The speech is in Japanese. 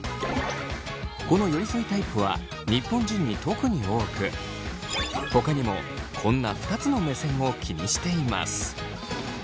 この寄り添いタイプは日本人に特に多くほかにもこんな２つの目線を気にしています。